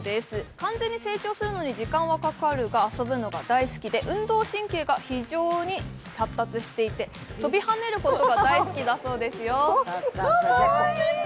完全に成長するのに時間はかかるが遊ぶのが大好きで運動神経が非常に発達していて跳びはねることが大好きだそうですよ。